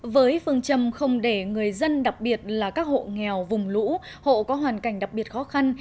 với phương châm không để người dân đặc biệt là các hộ nghèo vùng lũ hộ có hoàn cảnh đặc biệt khó khăn